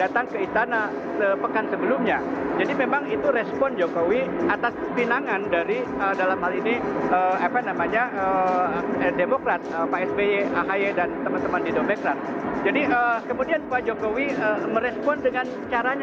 tetapi ini menurut saya adalah satu kenicayaan